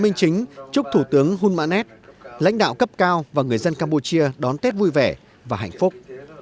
minh chính chúc thủ tướng hulmanet lãnh đạo cấp cao và người dân campuchia đón tết vui vẻ và hạnh phúc